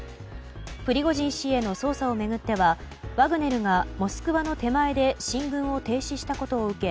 プリゴジン氏への捜査を巡ってはワグネルがモスクワの手前で進軍を停止したことを受け